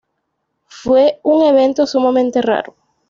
Fue un evento sumamente raro.